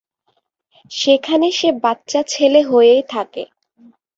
সেখানে সে বাচ্চা ছেলে হয়েই থাকে।